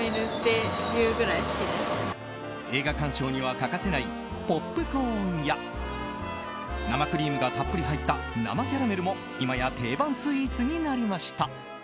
映画鑑賞には欠かせないポップコーンや生クリームがたっぷり入った生キャラメルも今や定番スイーツになりました。